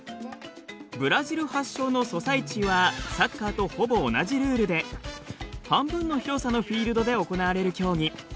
ブラジル発祥のソサイチはサッカーとほぼ同じルールで半分の広さのフィールドで行われる競技。